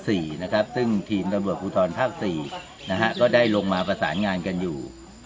ซึ่งทีมตำรวจภูทรภาค๔ก็ได้ลงมาประสานงานกันอยู่